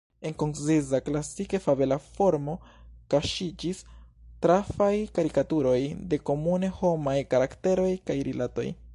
En konciza, klasike fabela formo kaŝiĝis trafaj karikaturoj de komune homaj karakteroj kaj rilatoj.